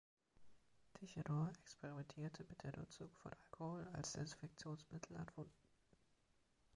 Tichenor experimentierte mit der Nutzung von Alkohol als Desinfektionsmittel an Wunden.